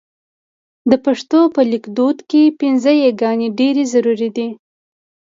په پښتو لیکدود کې پينځه یې ګانې ډېرې ضرور دي.